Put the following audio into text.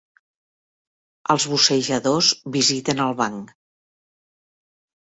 Els bussejadors visiten el banc.